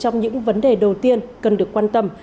trong những vấn đề đầu tiên cần được quan tâm